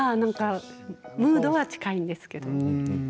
ムードは近いんですけど。